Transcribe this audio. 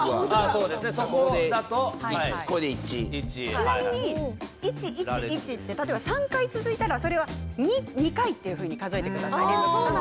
ちなみに１・１・１って例えば３回、続いたらそれは２回と数えてください。